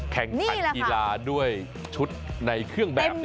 แข่งขันกีฬาด้วยชุดในเครื่องแบบ